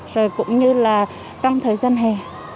rồi cũng như là trong thời gian hè